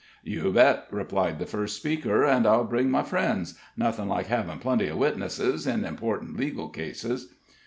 "You bet!" replied the first speaker. "And I'll bring my friends; nothing like having plenty of witnesses in important legal cases."